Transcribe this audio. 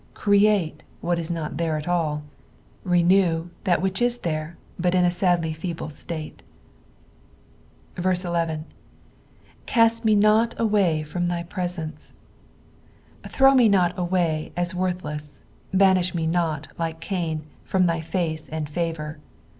"Greatt" what is not tliere at all ;" rmew " that which is there, but in a sadly feeble state. 11. " Ca»t me Ttot aicay from thy presence." Throw me not away an worth leas 1 banish me not, like Cain, from thy face and favour.